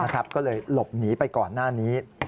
ก็เลยหลบหนีไปก่อนหน้านี้